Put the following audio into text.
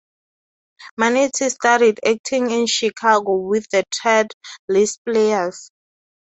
Manetti studied acting in Chicago with the Ted List Players.